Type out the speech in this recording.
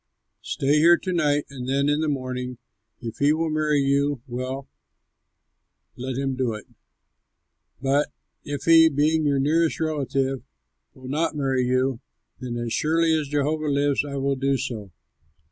Stay here to night, and then in the morning, if he will marry you, well, let him do it. But if he, being your nearest relative, will not marry you, then as surely as Jehovah lives, I will do so.